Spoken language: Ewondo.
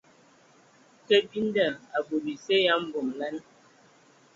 Kabinda a bɔ bisye ya mbomolan.